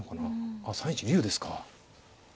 ああ３一竜ですか。